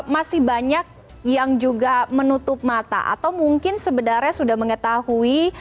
masih banyak yang juga menutup mata atau mungkin sebenarnya sudah mengetahui